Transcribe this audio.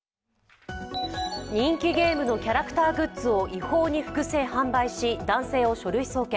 人気ゲームのキャラクターグッズを違法に複製・販売した男性を書類送検。